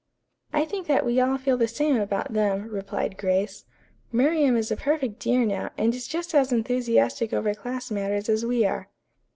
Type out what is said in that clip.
"I think that we all feel the same about them," replied Grace. "Miriam is a perfect dear now, and is just as enthusiastic over class matters as we are."